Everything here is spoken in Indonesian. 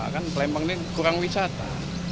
kan pelempang ini kurang wisata